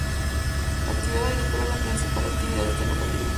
La actividad agrícola es la principal actividad de esta localidad.